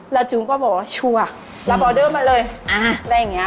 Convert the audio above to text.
แล้วจูงก็บอกว่าชัวร์รับออเดอร์มาเลยอะไรอย่างเงี้